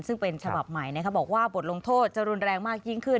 ซึ่งเป็นฉบับใหม่บอกว่าบทลงโทษจะรุนแรงมากยิ่งขึ้น